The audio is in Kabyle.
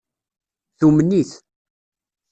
Tumen-it.